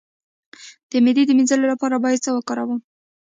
د معدې د مینځلو لپاره باید څه شی وکاروم؟